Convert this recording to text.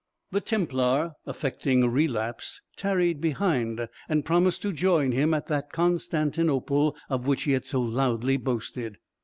The Templar, affecting a relapse, tarried behind, and promised to join him at that Constantinople of which he had so loudly boasted.